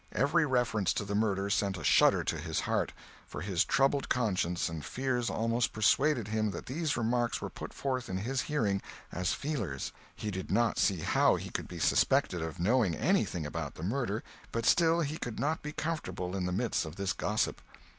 Every reference to the murder sent a shudder to his heart, for his troubled conscience and fears almost persuaded him that these remarks were put forth in his hearing as "feelers"; he did not see how he could be suspected of knowing anything about the murder, but still he could not be comfortable in the midst of this gossip.